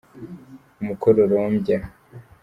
umukororombya.